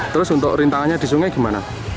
terus untuk rintangannya di sungai gimana